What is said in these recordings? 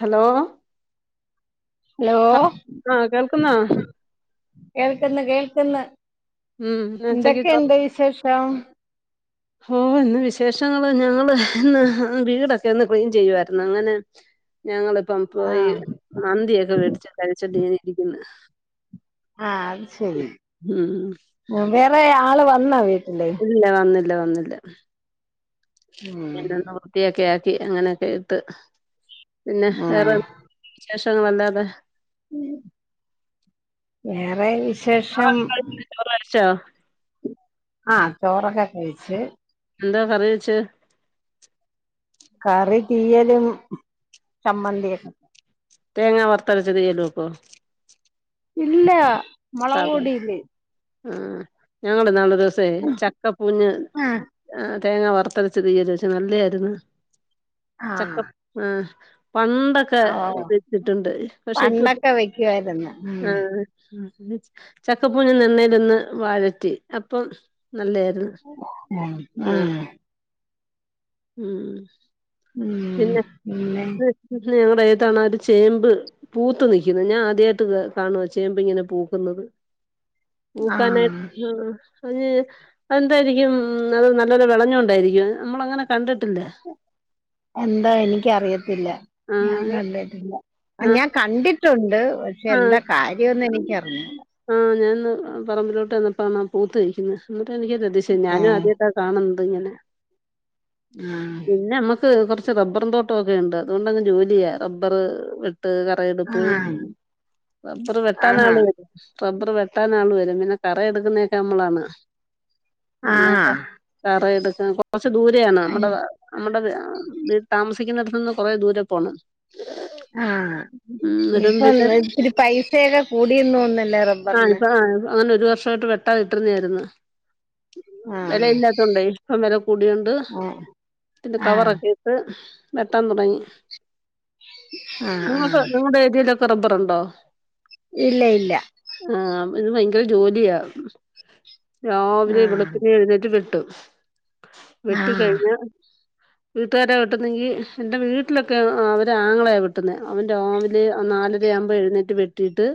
Hello hello ആഹ് കേൾക്കുന്നോ കേൾക്ക്ന്ന് കേൾക്ക്ന്ന് ഉം ഉച്ചക്ക് എന്തൊക്കെയുണ്ട് വിശേഷം ഓസ് ഇന്ന് വിശേഷങ്ങള് ഞങ്ങള് ഇന്ന് വീടൊക്കെ ഒന്ന് ക്ലീൻ ചെയ്യുവായിരുന്നു അങ്ങനെ ഞങ്ങളിപ്പം പോയി ആഹ് മന്തിയൊക്കെ മേടിച്ച് കഴിച്ചോണ്ട് ഇങ്ങനെ ഇരിക്കുന്നു ആഹ് അത് ശെരി ഉം വേറെ ആള് വന്നാ വീട്ടില് ഇല്ല വന്നില്ല വന്നില്ല ഉം എന്ന് ത്തിയൊക്കെ ആക്കി അങ്ങനെയൊക്കെ ഇട്ട് പിന്നെ ഉം വേറെ വിശേഷങ്ങളല്ലാതെ വേറെ വിശേ ചോറ് കഴിച്ചോ ആഹ് ചോറൊക്കെ കഴിച്ച് എന്താ കറി വെച്ച് കറി തീയലും ചമ്മന്തിയും തേങ്ങാ വറത്തരച്ച് തീയല് വെക്കോ ഇല്ല മുളക് പൊടിയില് ആ ഞങ്ങള് ഇന്നാള് ഒരു ദിവസേ ചക്കപ്പൂഞ്ഞ് ആഹ് തേങ്ങ വറുത്തരച്ച തീയല് വെച്ച് നല്ലതായിരുന്നു ആഹ് ചക്കപൂ ആഹ് പണ്ടൊക്കെ ഓഹ് പ വെച്ചിട്ടുണ്ട് പക്ഷെ ഇപ്പ പണ്ടൊക്കെ വെക്കുവായിരുന്നു ഉം ആ ചക്കപ്പൂഞ് എണ്ണയിലൊന്ന് വാഴറ്റി അപ്പം നല്ലായിരുന്നു. ഉം ആഹ് ഉം ഉം ഉം പിന്നെ പിന്നെ ഞങ്ങളുടെ ഏതാണ് ഒരു ചേമ്പ് പൂത്ത് നിൽക്കുന്നു ഞാൻ ആദ്യമായിട്ട് കാണുവ ചേമ്പ് ഇങ്ങനെ പൂക്കുന്നത്. [inaudible] ആഹ് പൂക്കാനായിട്ട് അഞ്ഞ് എന്തായിരിക്കും അത് നല്ലപോലെ വിളഞ്ഞൊണ്ടായിരിക്കും നമ്മള് അങ്ങനെ കണ്ടിട്ടില്ല. എന്താ എനിക്കറിയത്തില്ല ഞാൻ ആഹ് കണ്ടിട്ടില്ല. ആ ആഹ് ഞാൻ കണ്ടിട്ടുണ്ട്. പക്ഷെ എന്താ കാര്യംന്ന് എനിക്കറിഞ്ഞൂ ആ ഞാന്ന് പറമ്പിലോട്ട് വന്നപ്പോ പൂത്ത് നിക്കുന്നു. എന്നിട്ട് എനിക്കൊരതിശയം ഞാനും ആദ്യായിട്ടാ. കാണുന്നത് ഇങ്ങനെ പിന്നെ മ്മക്ക് ക്ക്‌ മ്മക്ക് കുറച്ചു റബ്ബർ തോട്ടമൊക്കെ ഉണ്ട്‌ അത്കൊണ്ട് അങ്ങ് ജോലിയാ റബ്ബർ വെട്ട് ക ആഹ് പ്പയെടുപ്പ് ആഹ് റബർ വെട്ടാന് ആഹാ ആള് വരും. റബ്ബർ വെട്ടാൻ ആള് വരും പിന്നെ കറ എടുക്കുന്നയൊക്കെ നമ്മളാണ് അന്നക്കെ ആഹ് കറ എടുക്കാൻ കൊറച്ച് ദൂരെ ആണ്. നമ്മടെ നമ്മടെ ആ വീ താമസിക്കുന്നത്തടുത്ത് നിന്ന് കൊറേ ദൂരെ പോണം. ആഹ് എന്നിട്ടും ഇപ്പൊ പിന്നെ ഇത്തിരി പൈസയൊക്കെ കൂടിയെന്ന് തോന്നല്ലോ റ ആഹ് ഇപ്പ ആ അങ്ങനെ ഒരു വർഷമായിട്ട്. വെട്ടാതിട്ടിരുന്ന ആയിരുന്നു. ആഹ് വിലയില്ലാത്തോണ്ടേ ഇപ്പൊ വില കൂടിയൊണ്ട് ആഹ് തിന്റെ ആഹ് കവറൊക്കെ ഇട്. വെട്ടാൻ തുടങ്ങി ആഹ് നിങ്ങക്ക് ആഹ് നിങ്ങളുടെ ഏരിയയിലൊക്കെ റബ്ബറുണ്ടോ? ഇല്ല ഇല്ല ആഹ് ഇത് ഭയങ്കര ജോലിയാ രാവിലെ ആഹ് വെളുപ്പിനെ എഴുന്നേറ്റ്. വെ ട്ടും വെട്ടി ആഹ് കഴിഞ്ഞ. [inaudible] വീട്ടുകാര വെട്ടുന്നെങ്കിൽ എന്റെ വീട്ടിലൊക്കെ അവര് ആങ്ങളയാ വെട്ടുന്ന അവൻ രാവിലെ നാല് രാകുമ്പോ എഴുന്നേറ്റ് വെട്ടിട്ട്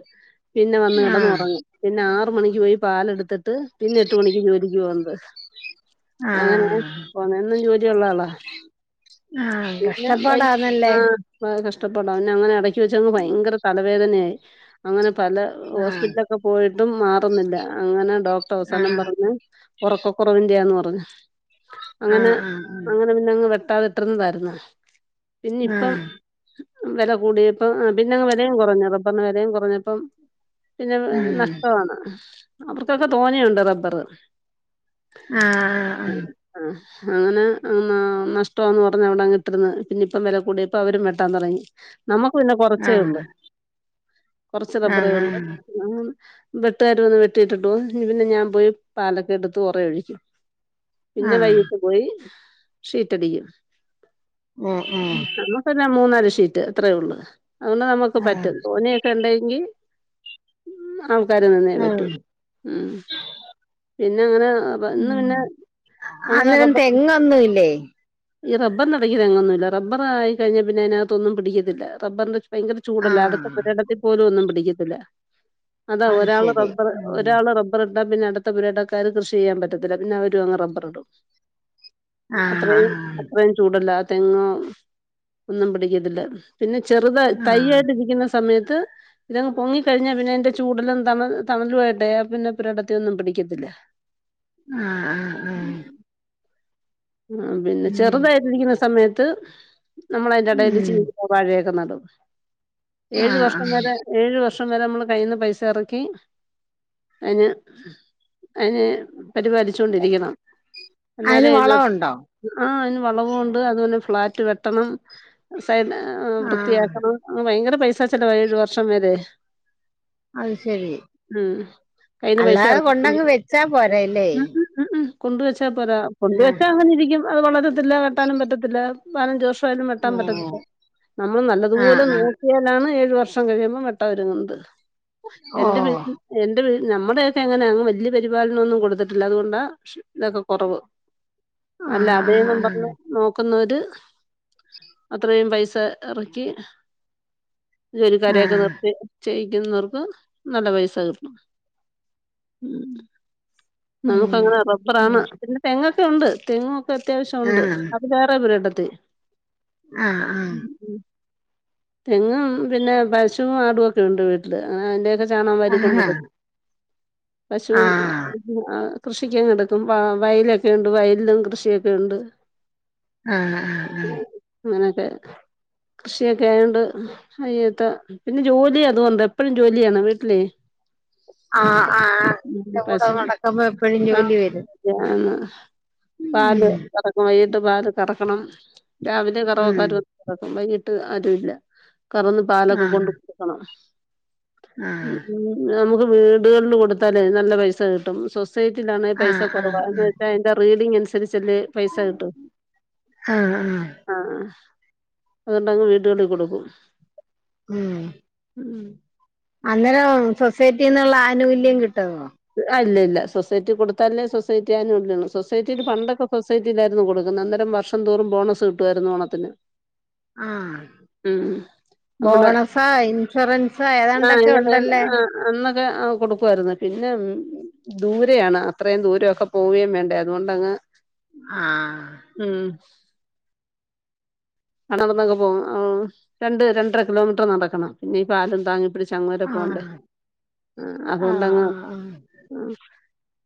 പിന്നെ വന്ന് ആഹ് കിടന്നുറങ്ങും. പിന്നെ ആറ് മണിക്ക് പോയി പാലെടുത്തിട്ട് പിന്നെ എട്ട് മണിക്ക് ജോലിക്ക് പോന്നത്. അങ്ങനെയാ ആഹ് പോന്നെ എന്നും ജോലി ഉള്ള ആളാ. ആഹ് ഞാൻ വൈ കഷ്ടപ്പാടാന്നല്ലേ ആഹ് കഷ്ടപ്പാട പിന്നെ അങ്ങനെ ഇടക്ക്‌ വെച്ച് ഭയങ്കര തലവേദനയായി അങ്ങനെ പല ആഹ് ഹോസ്പിറ്റലൊ ക്കെ പോയിട്ടും മാറുന്നില്ല അങ്ങനെ ഡോക്ടർ അവസാനം ആഹ് പറഞ്ഞ്. ഒറക്കക്കുറവിന്റെയാന്ന് പറഞ്ഞു അങ്ങനെ ആഹ് ആഹ് അങ്ങ് നെ പിന്നങ്ങ് വെട്ടാതെ ഇട്ടിരുന്നതായിരുന്ന്. ആഹ് പിന്നിപ്പം ആഹ് വെല കൂടിയപ്പം പിന്നങ് വെലയും കുറഞ്ഞ് റബ്ബറിന് വെലയും കൊറഞ്ഞപ്പം. പിന്നെ ആഹ് നഷ്ടാണ് അവർക്കൊക്കെ തോന ഉണ്ട് റബ്ബർ. ആഹ് ആഹ് മ്മ് ആഹ് അങ്ങനെ ന നഷ്ടംന്ന് പറഞ്ഞാ വിടെ ഇട്ടിരുന്ന് പിന്നെ ഇപ്പം വില കൂടിയപ്പം അവരും വെട്ടാൻ തുടങ്ങി. നമുക്ക് പിന്നെ കുറച്ചേ ആഹ് ഉള്ളൂ. കൊറച്ച് റബ്ബറേ ഉള്ളൂ ആഹ് ആഹ് വെട്ടുകാർ വന്ന് വെട്ടിയിട്ടിട്ട് പോകും പിന്നെ ഞാൻ പോയി പാലൊക്കെ എടുത്ത് ഉറ ഒഴിക്കും. [inaudible] പിന്നെ ആഹ് വൈകീട്ട് പോയി ഷീറ്റടിക്കും. ആഹ് ഉം ഉം നമ്മ പിന്നെ മൂന്നാല് ഷീറ്റ് അത്രയേ ഉള്ളൂ. അതുകൊണ്ട് നമുക്ക് ആഹ് പറ്റും. തോനയൊക്കെ ഇണ്ടെങ്കിൽ. ആൾക്കാര് നിന്നേ പറ്റൂ ഉം മ്മ് പിന്ന അങ്ങന വന്ന് ഉം പിന്നെ അങ്ങനെ അന്നേരം റബ്ബർ. തെങ്ങൊന്നുല്ലേ ഈ റബ്ബറിനിടക്ക് തെങ്ങൊന്നുല്ല റബ്ബറായി കഴിഞ്ഞാൽ പിന്നെ അതിനകത്തൊന്നും പിടിക്കത്തില്ല. റബറിന്റെ ചു ഭയങ്കര ചൂടല്ലേ അടുത്ത ആഹ് പുരിടത്തിൽ പോലും ഒന്നും പിടിക്കത്തില്ല. അതാ അത് ഒരാൾ ശരി റബ്ബർ ഉം ഒരാള് റബ്ബർ ഇണ്ടാ പിന്നെ അടുത്ത പുരിടക്കാര് കൃഷി ചെയ്യാൻ പറ്റത്തില്ല പിന്നെ അവരും അങ്ങ് റബ്ബർ ഇടും ആഹ് അത്രയും അത്രയും ചൂടല്ല തെങ്ങോ ഒന്നും പിടിക്കത്തില്ല പിന്നെ ചെറുത് ആഹ് തയ്യായിട്ട് ഇരിക്കുന്ന സമയത്ത് ഇതങ്ങ് പൊങ്ങിക്കഴിഞ്ഞാ പിന്നെ എന്റെ ചൂടലും ത തണലു പോയിട്ടെ പിന്നെ പി ഇടത്തിയൊന്നും പിടിക്കത്തില്ല ആഹ് ആഹ് ആഹ് ആഹ് പിന്ന ഉം ചെറുതായിട്ടിരിക്കുന്ന സമയത്ത് നമ്മൾ അതിന്റെടൽ ഉം ചീനിയും വാഴയൊക്കെ നടും ഏഴ് ആഹ് വർഷം ആഹ് വരെ ഏഴ് വർഷം വരെ നമ്മള് കയ്യിന്ന് പൈസ ഇറക്കി അതിന് അയിനെ പരിപാലിച്ചു കൊണ്ടിരിക്കണം അയിന് എന്നാലേ ഇത് വളവുണ്ടോ ആഹ് അതിന് വളവും ഇണ്ട് അതുപോലെ ഫ്ളാറ്റ് വെട്ടണം സൈ ആഹ് വൃത്തിയാക്കണം ആഹ് ഭയങ്കര പൈസാച്ചെലവ ഏഴ് വർഷം വരെ അത് ശരി മ്മ് കയിന്ന് പൈസ അല്ലാതെ ഇറക്കു കൊണ്ടങ്ങ് വെച്ചാ പോരല്ലേ ഉം ഉം കൊണ്ടുവച്ചാൽ പോരാ ആഹ് കൊണ്ടുവെച്ചാ അങ്ങന ഇരിക്കും അത് വളരത്തില്ല വെട്ടാനും പറ്റത്തില്ല പതിനഞ്ച് വർഷായിട്ടും വെട്ടാൻ ഓഹ് പറ്റത്തില്ല നമ്മൾ ആഹ് നല്ലതുപോലെ നോ ആഹ് ക്കിയാലാണ് ഏഴ് വർഷം കഴിയുമ്പോൾ വെട്ടാൻ ഒരുങ്ങുന്നത് എന്റെ ഓഹ് വീട്ടി എന്റെ വീ നമ്മുടെയൊക്കെ അങ്ങനെ അങ്ങ് വലിയ പരിപാലനം ഒന്നും കൊടുത്തിട്ടില്ല അതുകൊണ്ടാ ഇതൊക്കെ കൊറവ് അല്ല ആഹ് ആഹ് അതേന്നും പറഞ്ഞ് ആഹ് നോക്കുന്നോര് അത്രയും പൈസ ഇറക്കി ഇജ്ജ് ഒര് കരയൊക്കെ ആഹ് നിർത്തി ചെയ്യിക്കുന്നവർക്ക് നല്ല പൈസ കിട്ടും ഉം നമുക്ക് അങ്ങനെ റബ്ബറാണ് ഉം പിന്നെ തെങ്ങൊക്കെ ഉണ്ട് തെങ്ങ് അത്യാവശ്യം ഉണ്ട് ആഹ് അത് വേറെ പോരടത്തിൽ ആഹ് ആഹ് തെങ്ങും പിന്നെ പശുവും ആടും ഒക്കെ ഇണ്ട് വീട്ടില് അങ്ങനെ അതിന്റെ ചാണകം വാരി ആഹാ കൊണ്ടിടും പശു ആഹ് കൃഷിക്ക കിടക്കും വയലൊക്കെ ഇണ്ട് വയലിലും കൃഷിയൊക്കെ ഇണ്ട് ആഹ് ആഹ് ആഹ് അങ്ങനൊക്കെ കൃഷിയൊക്കെ ആയോണ്ട് അയ്യത്ത പിന്നെ ജോലി അത് വന്ത എപ്പഴും ജോലിയാണ് വീട്ടിലേ ആഹ് ആഹ് ന്റെ കൂടെ നട ആഹ് [unintelligible] പാല് ഉം കറക്കണം വൈകിട്ട് പാല് കറക്കണം രാവിലെ ഉം കറവക്കാര് വന്ന് വൈകിട്ട് ആരും ഇല്ല കറന്ന് പാലൊക്കെ കൊണ്ട് ആഹ് കൊടുക്കണം ആഹ് മ്മ് നമുക്ക് വീടുകളിൽ കൊടുത്താലേ നല്ല പൈസ കിട്ടും സൊസൈറ്റിലാണെ പൈസ ആഹ് കൊറവ ആഹ് എന്ന് വെച്ചാൽ അതിന്റെ റീഡിങ്ങ് അനുസരിച്ചല്ലേ പൈസ കിട്ടു ആഹ് ആഹ് ആഹ് അത്ണ്ടെങ്കിൽ വീട്ടുകളിൽ കൊടുക്കും ഉം ഉം അന്നേരം സൊസൈറ്റിന്നുള്ള ആനുകൂല്യം കിട്ടുമോ ആഹ് ഇ ല്ല ഇല്ല സൊസൈറ്റി കൊടുത്താലല്ലേ സൊസൈറ്റി ആനുകൂല്യം സൊസൈറ്റിൽ പണ്ടൊക്കെ സൊസൈറ്റിയിലായിരുന്നു കൊടുക്കുന്നത് അന്നരം വർഷം ഷം തോറും ബോണസ് കിട്ടുമായിരുന്നു ഓണ ത്തിന് ആഹ് നമ്മുടെ ബോണസാ ഇൻഷുറൻസ ആഹ് ഏതാണ്ടൊക്കെ ഇങ്ങനെ ഉണ്ടല്ലേ ആഹ് അന്നൊക്കെ കൊടുക്കുമായിരുന്ന് പിന്നെ പിന്നെ ദൂരെയാണ് അത്രയും ദൂരംഒ ക്കെ പോവുകയും വേണ്ടേ അതുകൊണ്ടങ്ങ് ആഹ് ഉം ആഹ് നടന്നൊക്കെ പോകും ആഹ് രണ്ട് രണ്ടര കിലോമീറ്റർ നടക്കണം പിന്നെ ഈ പാലും താങ്ങി പിടി ചങ്ങോരെ പോണ്ടേ ആഹ് ആഹ് ആഹ് അതുകൊണ്ടങ്ങ് ആഹ് ആഹ്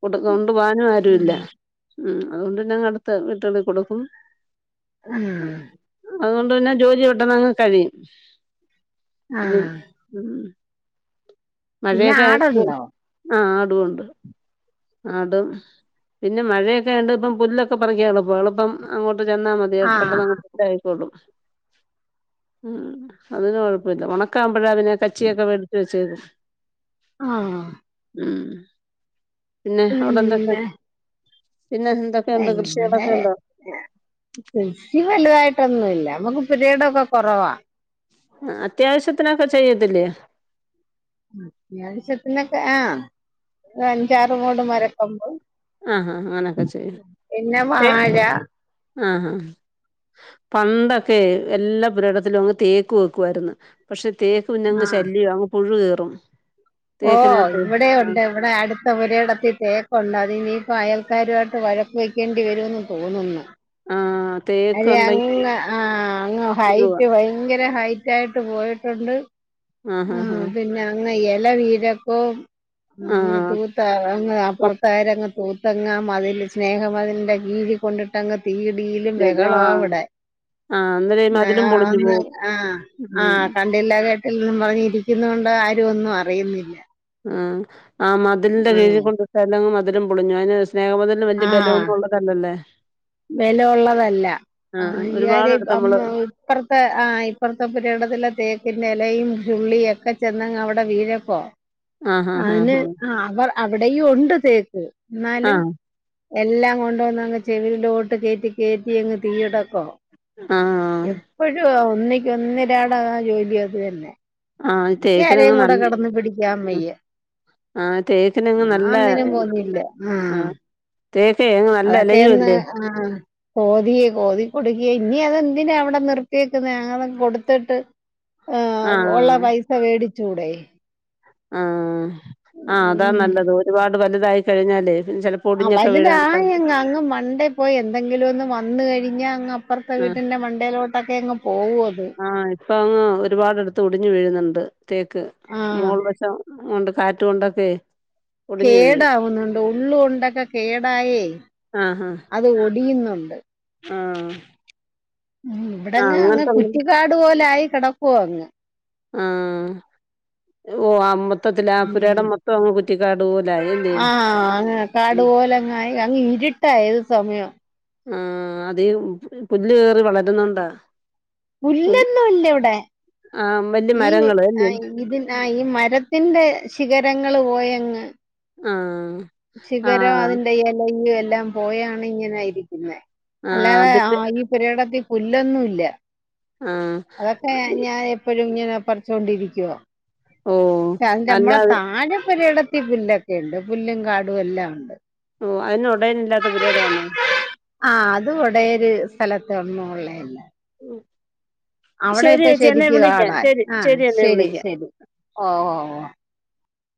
കൊടു കൊണ്ട് പോവാ നും ഉം ആരുല്ല ഉം അതുകൊണ്ട്ന്നെ അടുത്ത വീട്ടുകളിൽ ക്കൊടുക്കും. ഉ. അതുകൊണ്ട് തന്നെ ജോലി പെട്ടെന്ന് അങ്ങ് കഴിയും. പിന്നെ ആഹ് ഉ പിന്നെ മഴയൊക്കെ ആടുണ്ടോ ആ ആ ടുവുണ്ട് ആ ടും പിന്നെ മഴയൊണ്ട് ഇപ്പം പുല്ലൊക്കെ പറിക്ക എളുപ്പം എളുപ്പം അങ്ങോട്ട് ചെന്നാൽ മതി. അത് പെ ആഹ് ട്ടന്നങ് പുല്ല് ആയിക്കോളും അതിന് കു ഴപ്പില്ല. ഓണ ക്കാമ്ബലാ പിന്നെഅതിനെ കച്ചിയൊക്കെ വെടുച്ചു വെച്ചത് ആഹ് ഉം പിന്നെ അവിടെ എന്തൊക്കെ പിന്നെ പിന്നെ എന്തൊക്കെയുണ്ട് കൃഷികടളോ ക്കെ ഉണ്ടോ? ഇവിടെ കൃഷി വലുതായിട്ടൊന്നുമല്ല നമ്മുക്ക് പു രയിടക്കെ കുറവാ അത്യാവശ്യത്തിനൊക്കെ ചെയ്യതില്ലേ അത്യാവശ്യത്തിനൊക്കെ ആഹ അഞ്ചാറ് മോട് മരക്കൊമ്പ് ആഹഹാ് അങ്ങനൊക്കെ ചെയ്യും പിന്നെ വാഴ ആഹ ആഹ് പണ്ടൊക്കെ എല്ലാ പുരിടത്തിലും അങ്ങ് തേക്ക് വെക്കുമാ യിരുന്നു. പക്ഷെ തേക്ക് പിന്നങ്ങ് ആ ശല്യ അങ്ങ് പുഴു കേറും. ഓ തേക്കിനകത്തെ ഇവിടെ ആ ഉണ്ട് ഇ വിടെ അടുത്ത പു രയിടത്തിൽ തേക്കുണ്ട് അത് ഇനിയിപ്പോ അയൽക്കാരുമായിട്ട് വഴക്ക് വെക്കേണ്ടി വരുമെന്ന് തോന്നുന്നു. ആഹ് അത അങ്ങ് ആ അങ്ങ് പുഴുവാ ഹൈറ്റ് ഭയങ്കര ഹൈറ്റ് ആയിട്ട് പോയിട്ടുണ്ട്. ആഹ് ഹഹ ഹഹ അനെ ഇല വീഴ ആ ക്കുംഅങ്ങട്ട് അങ്ങ് അപ്പുറത്തുകർങ്ങ് തൂത്തങ്ങ് മഴ യി ല് സ്നേഹം മതിലിന്റെ അതിന്റെ കീഴി കൊണ്ടിട്ട്ങ്ങ് തീടിയിലും ബ കളോവിടെ ആ അന്നേരം ഈ മതിലും ആ പൊളിഞ്ഞു ന്ന് പോവും ആഹ ആ ഉം ക കണ്ടില്ലാ കേട്ടില്ലാ എന്നും പറഞ്ഞിരിക്കുന്നുണ് ആരും ഒന്നും അറിയുന്നില്ല. ആ ആ മതിലിന്റെ ഉം കീഴിൽ കൊണ്ടി ട്ട അല്ലെങ്കും മതിലും പൊളിഞ്ഞു അന് സ്നേഹമതിൽ ലൊന്നും വലിയ ബലമന്നുംള്ളതല്ലല്ലേ ബല ഉള്ളതല്ല ആ ആഹ് യായി ഇാര് ഒരുപാടെടുത്ത് നമ്മള് അമ്മ അ പ്പറത്തെ ആ ഇപ്പറത്തെ പുരി ഇടത്തില തേക്കിന്റെ ഇലയും ചുള്ളിയ ഒക്കെ ചെന്നങ്ങ് അവിടെ വീഴപ്ബോ ആഹ് ആഹ് അന് ആഹ് ആ അവർ അവിടെയും ഉണ്ട് തേക്ക് എന്നാലും ആഹ് എല്ലാം കൊണ്ട വന്ന് അങ്ങ് ചെവി യി ലോട്ട് കേറ്റി കേറ്റി അങ്ങ് തീയ് ട ക്കോ ആഹ് അ പ്പോഴും ഒന്നക്ക് ഒന്നരട ആ ജോലിയൊക്കെ ആഹ് എനിക്ക് ആരേ തേക്കിനങ്ങ് കൂടെ നല്ല കടന്ന പിടിക്കാമ്മയ്യ ആഹ് തേക്കിനങ്ങ് ഞാ ൻ നല്ല ഒന്നിനും പോന്നില്ല ആഹ് ദെ തേങ്ങ അതക്കെന്ന് ആഹ് കൊതിയെ കോതി കൊടുക്കിയ ഇനി അതെന്തിനാ അവിടെ നിർത്തിയേക്കുന്ന അങ്ങ കൊടുത്തിട്ട് ആഹ് ഉള്ള പൈസ മേടിച്ചൂടെ ആഹ് ആഹ് അതാ ഉം. നല്ലത് ഒരുപാട് വലുതായി കഴിഞ്ഞാലേ പിന്നെ ചെല ആഹ് വലുതായങ്ങ് അങ്ങ് മണ്ടേ പോയി എന്തെങ്കിലും ഒന്ന് വന്ന് കഴിഞ്ഞാ അങ്ങ് അപ്പുറത്തെ ആഹ് വീട്ടിന്റെ മണ്ടേലോട്ടൊക്കെ അങ് പോകും അത്. ഇപ്പ അങ്ങ് ഒരുപാടിടത്ത് ഒടിഞ്ഞു വീഴുന്നുണ്ട് തേക്ക് ആ മോൾ വശം കൊണ്ട് കാറ്റ് ഇിട്ടൊണ്ടൊക്കെ കേടാവുന്നുണ്ട് ഉള്ള് കൊണ്ടൊക്കെ കേടായി ആഹ് ആഹ് അത് ഒടിയുന്നുണ്ട്. ആഹ് ഉം ആഹ് ഇവിടെങ്ങ് അങ്ങ് അങ്ങനത്തെ കുറ്റിക്കാട് പോലെ ആയി കെടക്കുവോ അങ്ങ് ആഹ് ഓ അമ്പ [unintelligible] മൊത്തത്തി ആ ഉം പുരേടം മൊത്തം അങ്ങ് കുറ്റിക്കാട് പോലേ ആയി ഇല്ലേ ഉം ആയ് അങ്ങ് ഇരിട്ടാ ഏത് സമയോം ആഹ് അതെ പ് പുല്ല് കേറി വളര്ന്നകൊണ്ടാ പുല്ലൊന്നുംല്ലവ്ടെ ആഹ് വല്യ ഈ മരങ്ങള് അല്ലേ ആയ്ത് ആഹ് ഈ മരത്തിന്റെ ശിഖരങ്ങള് പോയങ്ങ് ആഹ് ശിഖരോ ആഹ് അതിന്റെ എലയും എല്ലാം പോയാണ്ങ്ങനെ ഇര്ക്കുന്നെ ആഹ് അല്ലാതെ അതിന്റെ ആഹ് ഈ പുരേടത്തിൽ പുല്ലൊന്നുംല്ല ആഹ് അതക്കെ ഞാൻ എപ്പോഴും ഇങ്ങനെ പറിച്ചോണ്ടിരിക്ക്വാ ഓ ക്ക്യാന്റമ്മളെ അല്ലാതെ താഴെപുരെടത്തി പുല്ലൊക്കെണ്ട് പുല്ലും കാടും എല്ലാം ഒണ്ട് ഓഹ് അയ്ന് ഒടേനില്ലാത്ത പുരേടം ആണോ ആഹ് അത് ഒടെയര് സ്ഥലത്തൊന്നും ഒള്ളെയല്ല ഉം അവിടെ ഇപ്പ ശെരിക്ക് കാടായ് ആഹ് ശരി എന്നെ ശെരി വിളിക്കാം ശെരി ഓഹ് ഓഹ് ഓഹ്